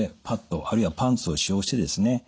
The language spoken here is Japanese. パッドあるいはパンツを使用してですね